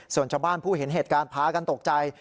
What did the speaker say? ส่วนชาวบ้านผู้เห็นเหตุการณ์พากันตกใจ